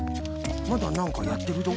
まだなんかやってるぞ。